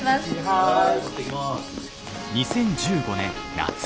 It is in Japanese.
はい。